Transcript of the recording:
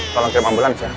tolong kirim ambulans ya